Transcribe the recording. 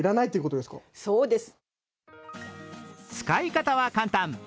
使い方は簡単。